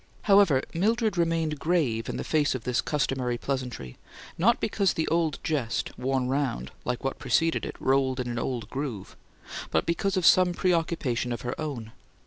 However, Mildred remained grave in the face of this customary pleasantry, not because the old jest, worn round, like what preceded it, rolled in an old groove, but because of some preoccupation of her own.